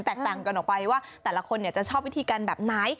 ต่างกันออกไปว่าแต่ละคนจะชอบวิธีการแบบไหน